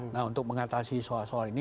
nah untuk mengatasi soal soal ini